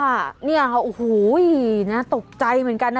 เนี่ยค่ะโอ้โหน่าตกใจเหมือนกันนะ